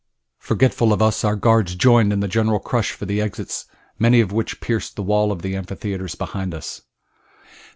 Forgetful of us, our guards joined in the general rush for the exits, many of which pierced the wall of the amphitheater behind us.